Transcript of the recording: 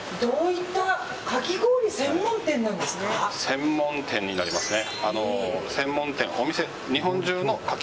専門店になりますね。